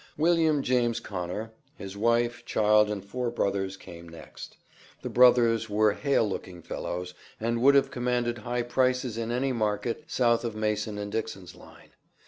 William James Conner, his wife, child, and four brothers came next. The brothers were hale looking fellows, and would have commanded high prices in any market South of Mason and Dixon's Line.